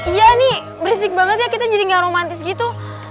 iya ini berisik banget ya kita jadi gak romantis gitu